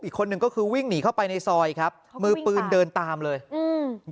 อีกคนนึงก็คือวิ่งหนีเข้าไปในซอยครับมือปืนเดินตามเลยอืม